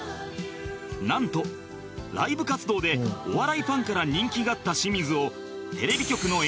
なんとライブ活動でお笑いファンから人気があった清水を